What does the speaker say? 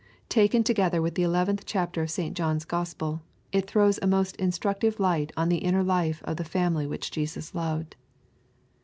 Taken together with the eleventh chapter of St. John's Gospel^ it throws a most instructive light on the inner life of the family which Jesus loved.